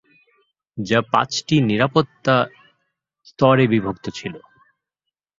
যা পাঁচটি নিরাপত্তা স্তরে বিভক্ত ছিল।